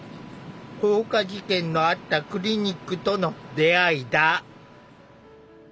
放火事件のあったクリニックとの出会いだ。